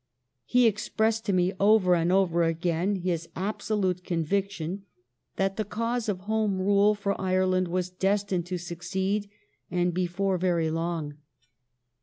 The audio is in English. He expressed to me over and over again his absolute conviction that the cause of Home Rule for Ireland was des tined to succeed and before very long.